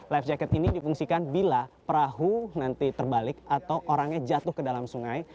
life jacket ini difungsikan bila perahu nanti terbalik atau orangnya jatuh ke dalam sungai